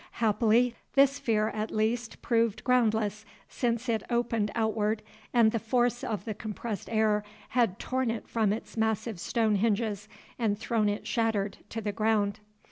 Happily, this fear at least proved groundless, since it opened outward, and the force of the compressed air had torn it from its massive stone hinges and thrown it shattered to the ground.